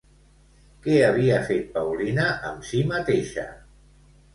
Què havia fet Paulina amb si mateixa?